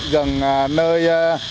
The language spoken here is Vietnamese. gần nơi thiết kế